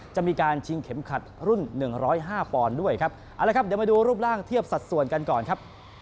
จะมีการชิงเข็มขัดรุ่นหนึ่งร้อยห้าปอนด์ด้วยครับเอาละครับเดี๋ยวมาดูรูปร่างเทียบสัดส่วนกันก่อนครับ